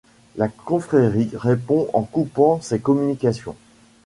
La Confrérie répond en coupant ses communications.